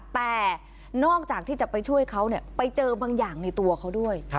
แต่นอกจากที่จะไปช่วยเขาไปเจอบางอย่างในตัวเขาด้วย